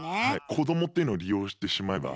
子どもっていうのを利用してしまえば。